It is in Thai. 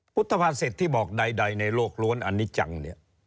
พุทธภาษิตที่บอกใดในโลกล้วนอันนี้จังเนี่ย